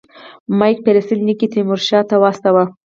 مک فیرسن لیک تیمورشاه ته واستاوه.